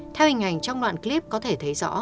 theo hình ảnh trong đoạn clip có thể thấy rõ